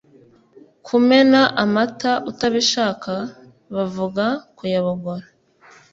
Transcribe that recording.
kumena Amata utabishakabavuga Kuyabogora